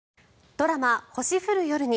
ドラマ「星降る夜に」。